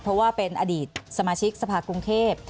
เพราะว่าเป็นอดีตสมาชิกสภาคกรุงเทพ